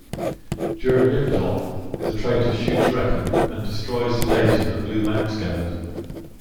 During liftoff, the traitor shoots Rekkon and destroys the data that Blue Max gathered.